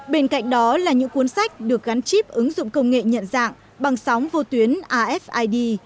bên cạnh đó là những cuốn sách được gắn chip ứng dụng công nghệ nhận dạng bằng sóng vô tuyến afid